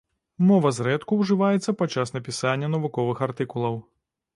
Мова зрэдку ужываецца падчас напісання навуковых артыкулаў.